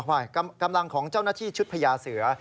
กำลังของเจ้าหน้าที่ชุดพญาเสือ